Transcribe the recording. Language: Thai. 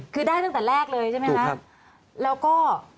คือได้ตั้งแต่แรกเลยใช่ไหมคะแล้วก็